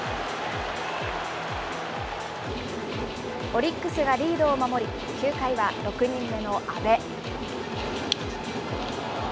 オリックスがリードを守り、９回は６人目の阿部。